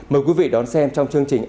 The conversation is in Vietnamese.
mời quý vị đón xem trong chương trình